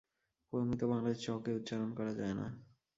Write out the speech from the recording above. প্রমিত বাংলায় চ কে উচ্চারণ করা যায় না।